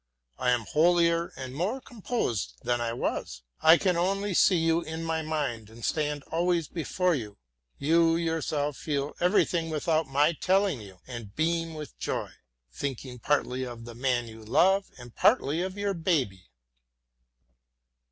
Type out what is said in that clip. I am holier and more composed than I was. I can only see you in my mind and stand always before you. You yourself feel everything without my telling you, and beam with joy, thinking partly of the man you love and partly of your baby.